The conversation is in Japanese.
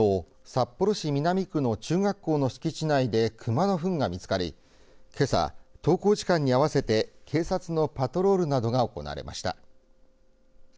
札幌市南区の中学校の敷地内で熊のふんが見つかり、けさ登校時間に合わせて警察のパトロールなどが行われました。